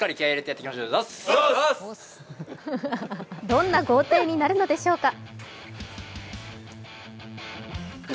どんな豪邸になるのでしょうか？